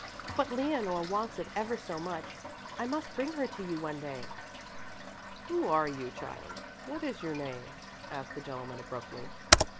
But Leonore wants it ever so much. I must bring her to you one day." "Who are you, child? What is your name," asked the gentleman abruptly.